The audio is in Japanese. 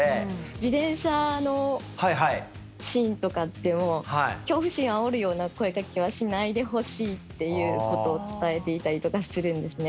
自転車のシーンとかってもう恐怖心をあおるような声かけはしないでほしいっていうことを伝えていたりとかするんですね。